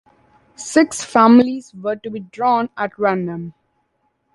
Six families were to be drawn, at random.